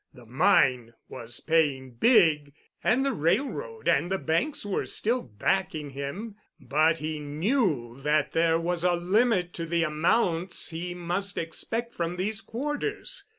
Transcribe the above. The mine was paying "big," and the railroad and the banks were still backing him, but he knew that there was a limit to the amounts he must expect from these quarters.